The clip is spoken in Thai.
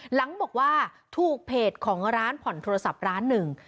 หลังบอกว่าถูกเพจของร้านผ่อนโทรศัพท์ร้านหนึ่ง